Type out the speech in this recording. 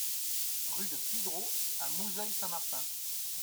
Rue de Puydreau à Mouzeuil-Saint-Martin